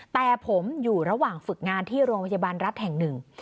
แต่ผมอยู่ระหว่างฝึกงานที่โรงพยาบาลรัฐแห่งหนึ่ง